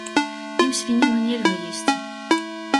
Ім свініну нельга есці.